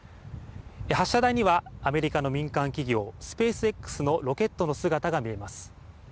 発射台にはアメリカの民間企業、スペースＸのロケットの姿が見えます。